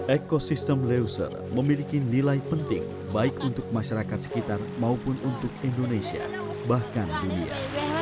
ekosistem leuser memiliki nilai penting baik untuk masyarakat sekitar maupun untuk indonesia bahkan dunia